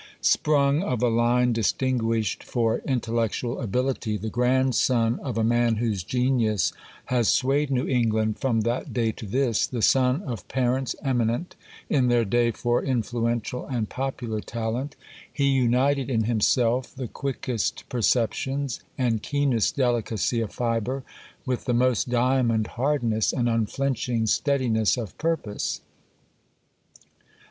Sprung of a line distinguished for intellectual ability, the grandson of a man whose genius has swayed New England from that day to this—the son of parents eminent in their day for influential and popular talent, he united in himself the quickest perceptions and keenest delicacy of fibre with the most diamond hardness and unflinching steadiness of purpose.